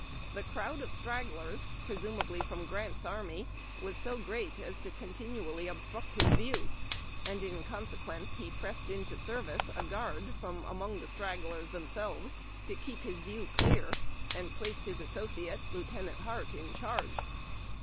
The crowd of strag glers (presumably from Grant's army) was so great as to continually obstruct his view, and in consequence he pressed into service a guard from among the stragglers themselves to keep his view clear, and placed his associate, Lieutenant 406 IIAHT) TACK AND COFFEE. Hart, ill charge.